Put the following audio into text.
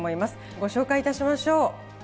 ご紹介いたしましょう。